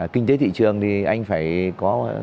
kinh tế thị trường thì anh phải có